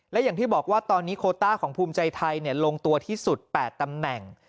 และอย่างที่บอกว่าตอนนี้โคต้าของภูมิใจไทยลงตัวที่สุด๘ตำแหน่ง